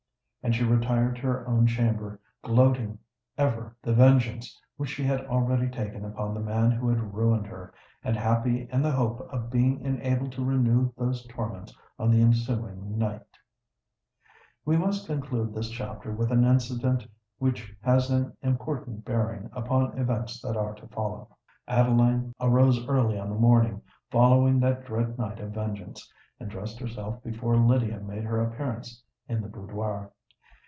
And she retired to her own chamber gloating ever the vengeance which she had already taken upon the man who had ruined her, and happy in the hope of being enabled to renew those torments on the ensuing night. We must conclude this chapter with an incident which has an important bearing upon events that are to follow. Adeline arose early on the morning following that dread night of vengeance, and dressed herself before Lydia made her appearance in the boudoir.